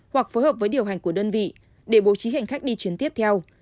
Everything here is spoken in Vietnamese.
hoặc phối hợp với điều hành của đơn vị để bố trí hành khách đi chuyến tiếp theo